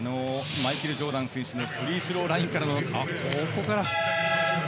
マイケル・ジョーダン選手のフリースローラインからのここから。